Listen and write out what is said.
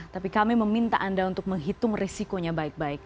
tapi kami meminta anda untuk menghitung risikonya baik baik